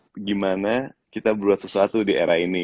bagaimana kita berbuat sesuatu di era ini